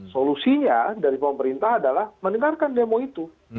solusinya dari pemerintah adalah mendengarkan demo itu